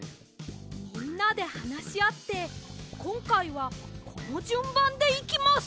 みんなではなしあってこんかいはこのじゅんばんでいきます！